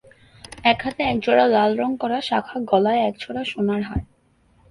এলার হাতে একজোড়া লালরঙ-করা শাঁখা, গলায় একছড়া সোনার হার।